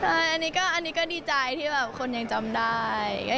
ใช่อันนี้ก็ดีใจที่แบบคนยังจำได้